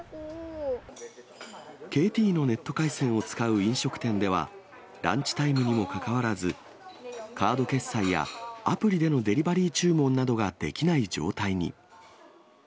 ＫＴのネット回線を使う飲食店では、ランチタイムにもかかわらず、カード決済やアプリでのデリバリー注文などができない状態に。